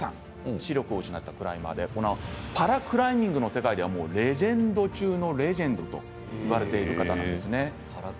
視力を失ったクライマーでパラクライミング界ではレジェンド中のレジェンドと言われている方なんですね。